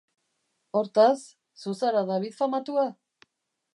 Hortaz, zu zara David famatua!